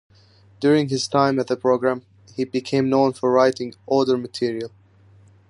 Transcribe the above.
During his time at the program, he became known for writing odder material.